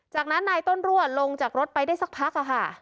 จากนั้นนายต้นรั่วลงจากรถไปได้สักพักค่ะ